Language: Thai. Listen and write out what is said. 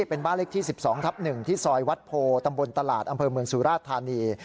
เป็นบ้านเลขที่๑๒ทับ๑ที่ซอยวัดโพตำบลตลาดอำเภอเมืองสุราชธานี